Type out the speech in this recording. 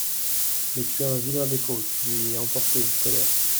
Mais tu as un vilain défaut, tu es emporté, colère…